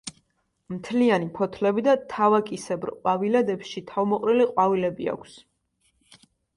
მთლიანი ფოთლები და თავაკისებრ ყვავილედებში თავმოყრილი ყვავილები აქვს.